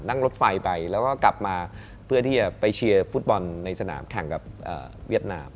นั่งรถไฟไปแล้วก็กลับมาเพื่อที่จะไปเชียร์ฟุตบอลในสนามแข่งกับเวียดนาม